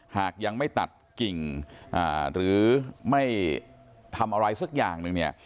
หากยังไม่ตัดกิ่งหรือไม่ทำอะไรสักอย่างหนึ่งเนี่ย